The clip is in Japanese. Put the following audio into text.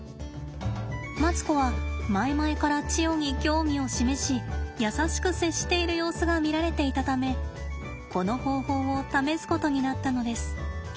マツコは前々からチヨに興味を示し優しく接している様子が見られていたためこの方法を試すことになったのです。